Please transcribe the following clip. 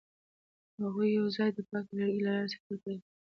هغوی یوځای د پاک لرګی له لارې سفر پیل کړ.